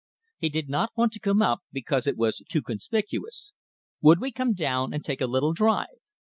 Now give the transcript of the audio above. He did not want to come up, because it was too conspicuous. Would we come down and take a little drive?